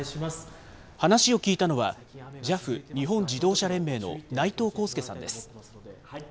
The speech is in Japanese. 話を聞いたのは、ＪＡＦ・日本自動車連盟の内藤康介さんです。